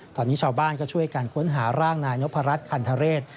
ตอนนี้ชาวบ้านก็ช่วยกันค้นหาร่างนายนพรัชคันธเรศ